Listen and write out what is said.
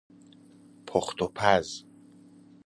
پخت و پز